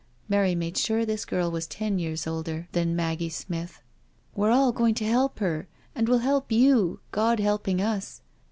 Mary made sure this girl was ten years older than Maggie Smith. " We're all going to help. her, and we'll help you, God helping us."